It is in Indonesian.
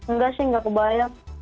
nggak sih nggak kebayang